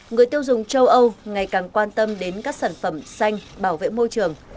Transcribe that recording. người tiêu dùng châu âu ngày càng quan tâm đến các sản phẩm xanh bảo vệ môi trường